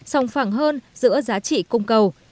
sòng phẳng hơn giữa giá trị cung cầu